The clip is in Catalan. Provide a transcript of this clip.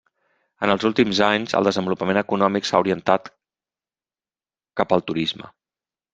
En els últims anys el desenvolupament econòmic s'ha orientat cap al turisme.